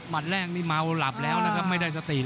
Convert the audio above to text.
หมัดแรกนี้มัวหลับแล้วนะครับไม่ได้สติแล้ว